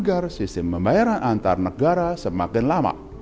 agar sistem pembayaran antarnegara semakin lama